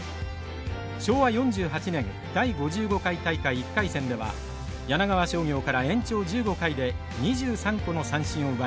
昭和４８年第５５回大会１回戦では柳川商業から延長１５回で２３個の三振を奪います。